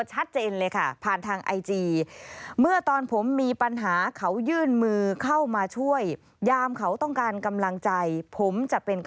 หรือว่าเศกโลโซ